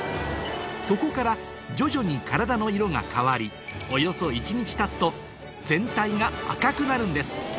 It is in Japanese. そこから徐々に体の色が変わりおよそ１日たつと全体が赤くなるんです